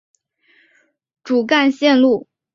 三条线路到了市区共享同一段主干线路。